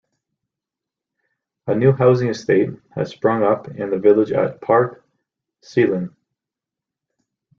A new housing estate has sprung up in the village at Parc Celyn.